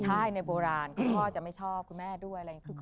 ใช่ในโบราณพ่อจะไม่ชอบคุณแม่ด้วย